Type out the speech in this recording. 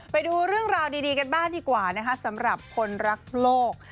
ไปดูเรื่องราวดีกันบ้างดีกว่านะคะสำหรับคนรักโลก